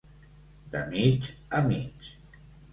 De mig a mig.